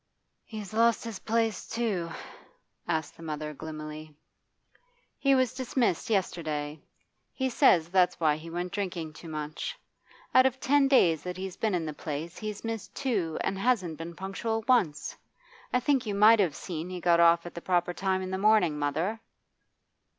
'He's lost his place too?' asked the mother gloomily. 'He was dismissed yesterday. He says that's why he went drinking too much. Out of ten days that he's been in the place he's missed two and hasn't been punctual once. I think you might have seen he got off at the proper time in the morning, mother.